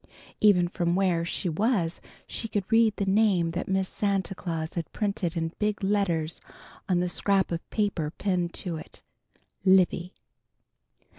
Even from where she was she could read the name that Miss Santa Claus had printed in big letters on the scrap of paper pinned to it: "LIBBY."